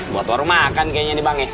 buat warung makan kayaknya nih bang ya